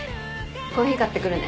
コーヒー買ってくるね。